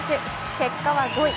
結果は５位。